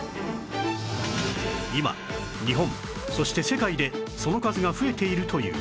今日本そして世界でその数が増えているという